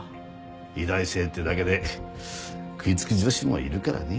医大生ってだけで食いつく女子もいるからね。